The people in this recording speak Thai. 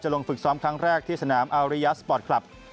ลงฝึกซ้อมครั้งแรกที่สนามอาริยาสปอร์ตคลับ